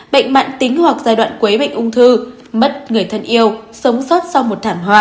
bệnh mạng tính hoặc giai đoạn quấy bệnh ung thư mất người thân yêu sống sót sau một thảm họa